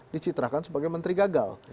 dicitrakan sebagai menteri gagal